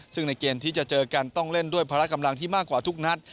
ซึ่งในเกมที่จะเจอกันต้องเล่นด้วยภาระกำลังที่มากกว่าทุกนัด